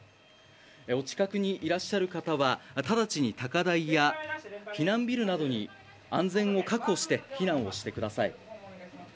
お近くにいらっしゃる方は直ちに高台や避難ビルなどに安全を確保して避難をしてください。